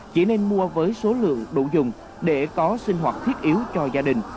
chỉ nên mua với số lượng đồ dùng để có sinh hoạt thiết yếu cho gia đình